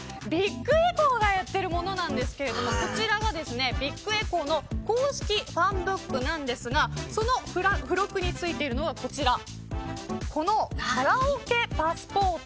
ビッグエコーがやってるものなんですがこちらはビッグエコーの公式ファンブックですがその付録に付いているのはこちらこのカラオケパスポート。